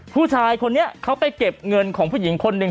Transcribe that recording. ผู้ชายคนนี้เขาไปเก็บเงินของผู้หญิงคนหนึ่ง